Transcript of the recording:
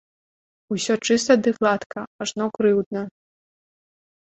Усё чыста ды гладка, ажно крыўдна!